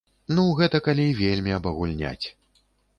Ну, гэта калі вельмі абагульняць.